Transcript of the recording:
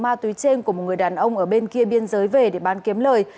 ma túy trên của một người đàn ông ở bên kia biên giới về để bán kiếm lời